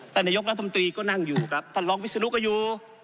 ท่านนายกรัฐมนตรีก็นั่งอยู่ครับท่านรองวิศนุก็อยู่